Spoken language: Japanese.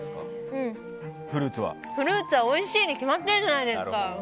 フルーツはおいしいにきまってるじゃないですか。